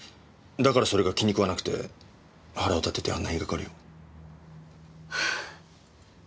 だからそれが気に食わなくて腹を立ててあんな言いがかりを。